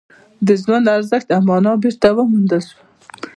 د ژوند ارزښت او مانا بېرته وموندل شوه